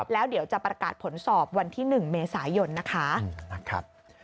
แล้วเดี๋ยวจะประกาศผลสอบวันที่๑เมษายนนะคะ